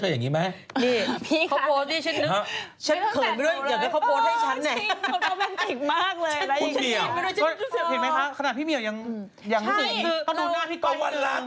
สวัสดีครับสวัสดีครับ